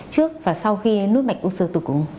trước và sau khi nút mạch u sơ tử cung